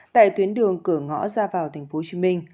tại tuyến đường cửa ngõ ra vào tp hcm